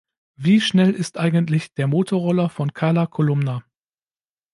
Wie schnell ist eigentlich der Motorroller von Karla Kolumna?